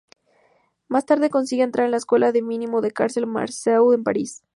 Más tarde consigue entrar en la Escuela de Mimo de Marcel Marceau en París.